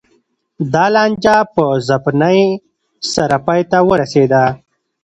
دا لانجه په ځپنې سره پای ته ورسېده